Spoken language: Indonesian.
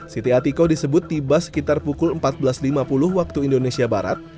siti atiko disebut tiba sekitar pukul empat belas lima puluh waktu indonesia barat